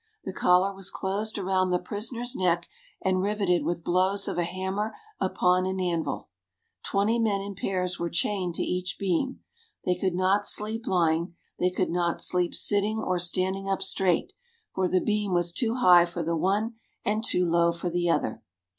The collar was closed around the prisoner's neck, and riveted with blows of a hammer upon an anvil. Twenty men in pairs were chained to each beam. They could not sleep lying; they could not sleep sitting or standing up straight, for the beam was too high for the one and too low for the other.